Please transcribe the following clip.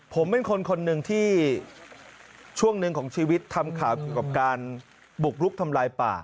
ผมเป็นคนคนหนึ่งที่ช่วงหนึ่งของชีวิตทำข่าวเกี่ยวกับการบุกลุกทำลายป่า